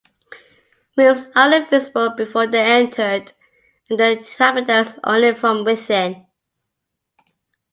Rooms aren't visible before they're entered, and their inhabitants only from within.